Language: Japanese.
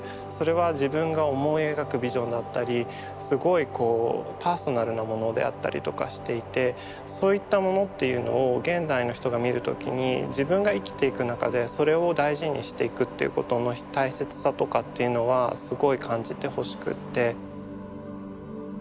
でも甲冑の面白さっていうのはであったりとかしていてそういったものっていうのを現代の人が見る時に自分が生きていく中でそれを大事にしていくっていうことの大切さとかっていうのはすごい感じてほしくって。